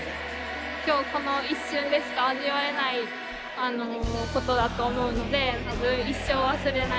今日この一瞬でしか味わえないことだと思うので多分一生忘れない。